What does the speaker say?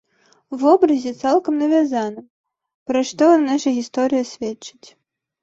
Вобразе цалкам навязаным, пра што наша гісторыя сведчыць.